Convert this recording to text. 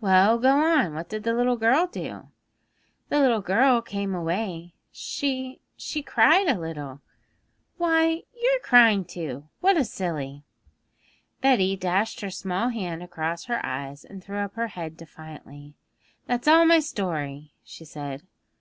'Well, go on. What did the little girl do?' 'The little girl came away; she she cried a little.' 'Why, you're crying too! What a silly!' Betty dashed her small hand across her eyes, and threw up her head defiantly. 'That's all my story,' she said.